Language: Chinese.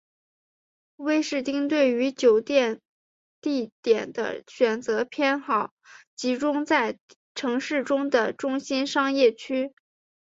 威士汀对于酒店地点的选择偏好集中在城市中的中心商业区。